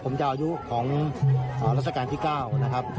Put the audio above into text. ผมจะอายุของราชการที่๙นะครับ